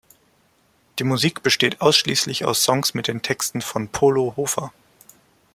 Die Musik besteht ausschliesslich aus Songs mit den Texten von Polo Hofer.